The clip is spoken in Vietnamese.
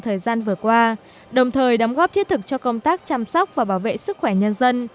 thời gian vừa qua đồng thời đóng góp thiết thực cho công tác chăm sóc và bảo vệ sức khỏe nhân dân